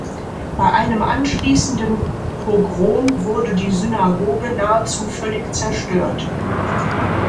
Bei einem anschließenden Pogrom wurde die Synagoge nahezu völlig zerstört.